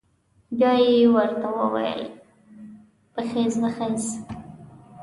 بيا یې ورته وويل بخېز بخېز.